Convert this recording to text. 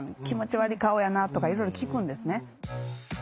「気持ち悪い顔やな」とかいろいろ聞くんですね。